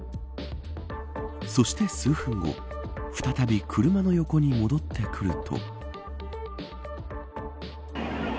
そして数分後再び車の横に戻ってくると。